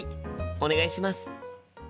お願いします。